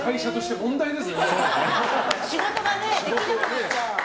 仕事ができなくなっちゃう。